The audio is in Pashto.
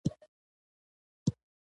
نوی چوکاټ لټوي.